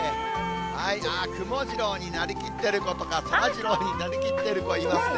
くもジローになりきってる子とか、そらジローになりきってる子いますね。